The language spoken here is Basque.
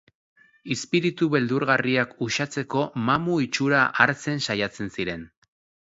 Izpiritu beldurgarriak uxatzeko mamu itxura hartzen saiatzen ziren.